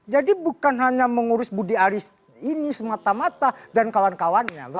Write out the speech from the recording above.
jadi bukan hanya mengurus budi aris ini semata mata dan kawan kawannya